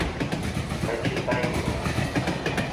Прочитай меня.